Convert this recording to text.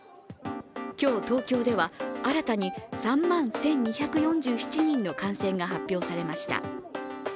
今日、東京では新たに２万１２４７人の感染が発表されました。